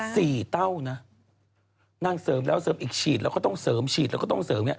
เต้านะนางเสริมแล้วเสริมอีกฉีดแล้วก็ต้องเสริมฉีดแล้วก็ต้องเสริมเนี้ย